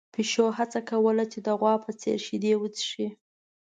پيشو هڅه کوله چې د غوا په څېر شیدې وڅښي.